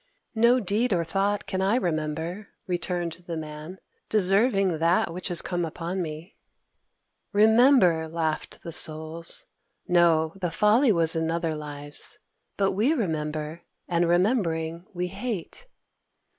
"No deed or thought can I remember," returned the Man, "deserving that which has come upon me." "Remember!" laughed the Souls. "No the folly was in other lives. But we remember; and remembering, we hate."